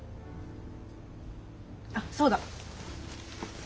あっそうだ！